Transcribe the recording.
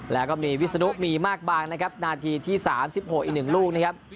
แล้วก็มีวิศนุมีมากบางนะครับนาทีที่๓๖อีก๑ลูกนะครับ